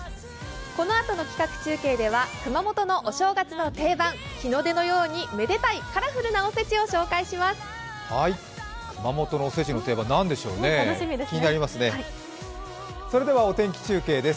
このあとの企画中継では、熊本のお正月の定番、日の出のようにめでたいカラフルなおせちを紹介します。